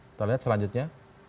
kita lihat selanjutnya